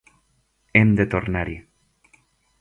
Hem de tornar-hi.